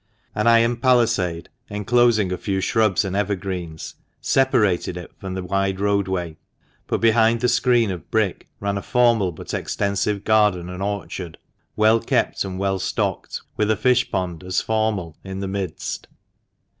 An iron palisade, enclosing a few shrubs and evergreens, separated it from the wide roadway, but behind the screen of brick ran a formal but extensive garden and orchard, well kept and well stocked, with a fish pond as formal in the midst.